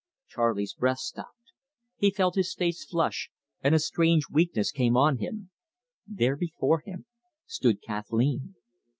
Charley's breath stopped. He felt his face flush, and a strange weakness came on him. There before him stood Kathleen.